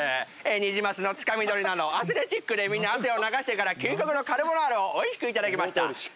ニジマスのつかみ取りなどアスレチックで汗を流してから究極のカルボナーラをおいしくいただきました。